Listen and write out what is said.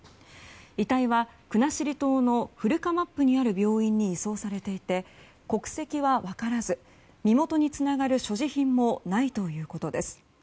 遺体は国後島の古釜布にある病院に移送されていて国籍は分からず身元につながる所持品もないということです。